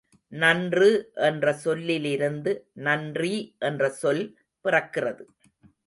நன்று என்ற சொல்லிலிருந்து நன்றி என்ற சொல் பிறக்கிறது.